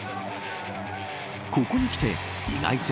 ここにきて意外性